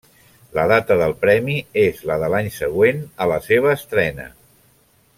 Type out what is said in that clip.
La data del premi és la de l'any següent a la seva estrena.